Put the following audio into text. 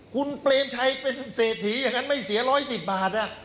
คุณเปรมชัยเป็นเศรษฐีอย่างนั้นไม่เสีย๑๑๐บาท